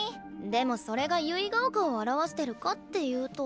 でもそれが結ヶ丘を表してるかっていうと。